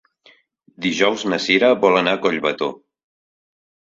Dijous na Cira vol anar a Collbató.